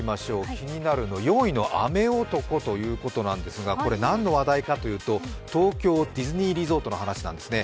気になるの４位の雨男ということなんですが、これ何の話題かというと、東京ディズニーリゾートの話なんですね。